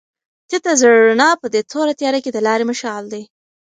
تته زېړه رڼا په دې توره تیاره کې د لارې مشال دی.